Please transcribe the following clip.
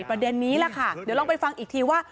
ประเด็นนี้แหละค่ะเดี๋ยวลองไปฟังอีกทีว่า